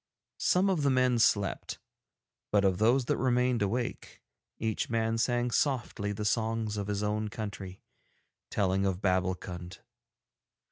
Some of the men slept, but of those that remained awake each man sang softly the songs of his own country, telling of Babbulkund.